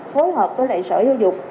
phối hợp với lại sở giáo dục